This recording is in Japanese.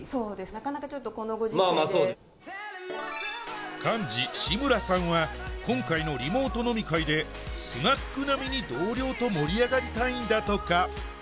なかなかちょっとこのご時世で幹事志村さんは今回のリモート飲み会でスナック並みに同僚と盛り上がりたいんだとか